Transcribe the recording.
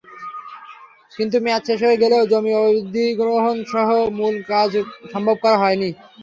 কিন্তু মেয়াদ শেষ হয়ে গেলেও জমি অধিগ্রহণসহ মূল কাজ করা সম্ভব হয়নি।